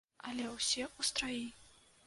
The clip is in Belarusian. Але ўсе ў страі.